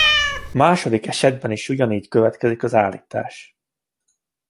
A második esetben is ugyanígy következik az állítás.